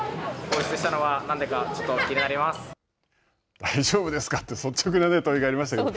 大丈夫ですかって率直な問いがありましたけれども。